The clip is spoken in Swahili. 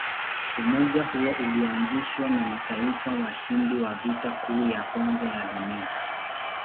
Umoja huo ulianzishwa na mataifa washindi wa Vita Kuu ya Kwanza ya Dunia.